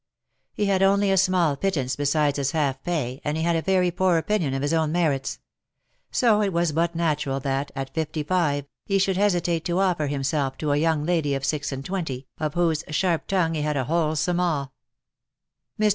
He had only a small pittance besides his half pay, and he had a very poor opinion of his own merits ; so it was but natural that, at fifty five, he should hesitate to off'er himself to a young lady of six and twenty, of whose sharp tongue he had a wholesome awe. Mr.